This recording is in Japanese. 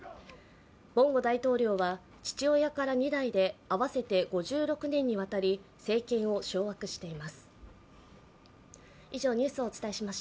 ボンゴ大統領は父親から２代で合わせて５６年にわたり政権を掌握しています。